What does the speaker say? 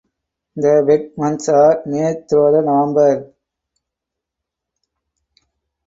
The wet months are May through November.